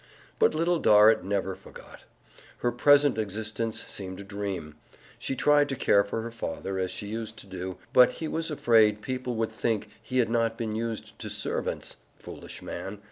But Little Dorrit never forgot. Her present existence seemed a dream. She tried to care for her father as she used to do, but he was afraid people would think he had not been used to servants (foolish man!)